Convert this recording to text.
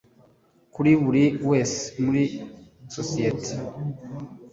Kuri buri wese muri sosiyete